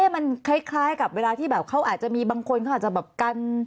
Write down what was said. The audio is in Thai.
เอ๊ะมันคล้ายกับเวลาที่เขาอาจจะมีบางคนเขาอาจจะกัน